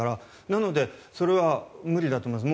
なのでそれは無理だと思います。